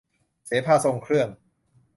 เสภาทรงเครื่อง